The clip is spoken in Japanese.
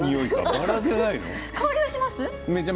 バラじゃないの？